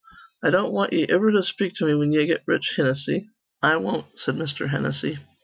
I don't want ye iver to speak to me whin ye get rich, Hinnissy." "I won't," said Mr. Hennessy.